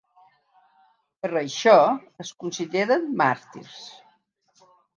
Per això es consideren màrtirs.